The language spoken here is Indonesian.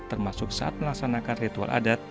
termasuk saat melaksanakan ritual adat